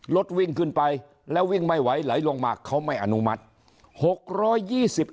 รถวิ่งขึ้นไปแล้ววิ่งไม่ไหวไหลลงมาเขาไม่อนุมัติ